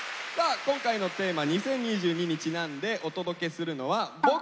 今回のテーマ「２０２２」にちなんでお届けするのはイエーイ！